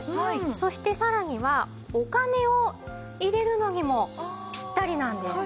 そしてさらにはお金を入れるのにもピッタリなんです。